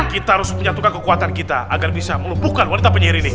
kita harus menyatukan kekuatan kita agar bisa melumpuhkan wanita penyihir ini